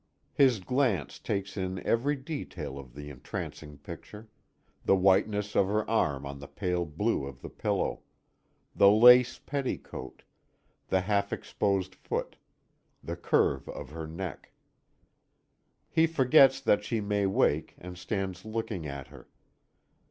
His glance takes in every detail of the entrancing picture; the whiteness of her arm on the pale blue of the pillow; the lace petticoat; the half exposed foot; the curve of her neck. He forgets that she may wake, and stands looking at her.